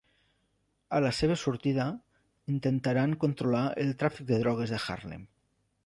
A la seva sortida, intentaran controlar el tràfic de drogues a Harlem.